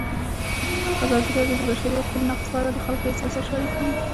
ازادي راډیو د د بشري حقونو نقض په اړه د خلکو احساسات شریک کړي.